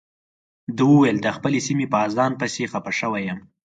ده وویل د خپلې سیمې په اذان پسې خپه شوی یم.